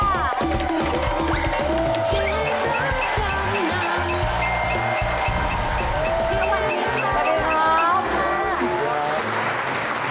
พี่ออสมานี่ละ